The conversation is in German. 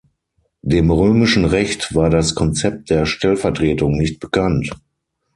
Dem römischen Recht war das Konzept der Stellvertretung nicht bekannt.